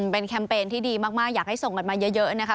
เป็นแคมเปญที่ดีมากอยากให้ส่งกันมาเยอะนะคะ